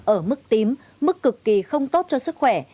ở mức tím mức cực kỳ không tốt cho sức khỏe